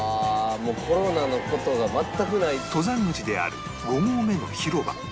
もうコロナの事が全くない」登山口である５合目の広場